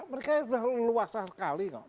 mereka luas sekali